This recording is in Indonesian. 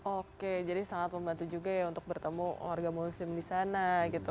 oke jadi sangat membantu juga ya untuk bertemu warga muslim di sana gitu